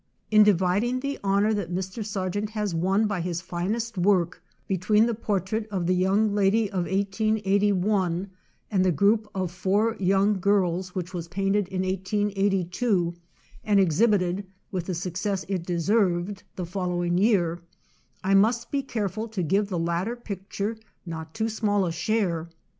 In dividing the honor that Mr. Sargent has won by his finest work between the portrait of the young lady of 1881 and the group of four yjoung girls which was painted in 1882, and exhibited, with the success it deserved, the following year, I must be careful to give the latter picture not too small a share.